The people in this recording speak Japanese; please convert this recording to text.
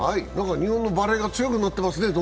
日本のバレーがどんどん強くなってますね。